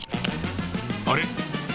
あれ？